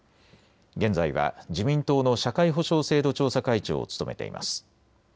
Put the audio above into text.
現在は自民党の社会保障制度調査会長を務めています。